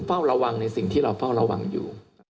เฝ้าระวังในสิ่งที่เราเฝ้าระวังอยู่